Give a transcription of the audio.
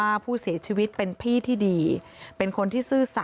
แม่ของผู้ตายก็เล่าถึงวินาทีที่เห็นหลานชายสองคนที่รู้ว่าพ่อของตัวเองเสียชีวิตเดี๋ยวนะคะ